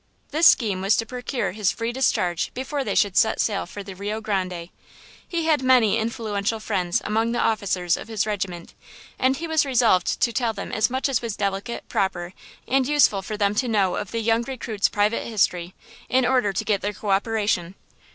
This scheme was to procure his free discharge before they should set sail for the Rio Grande. He had many influential friends among the officers of his regiment, and he was resolved to tell them as much as was delicate, proper and useful for them to know of the young recruit's private history, in order to get their cooperation.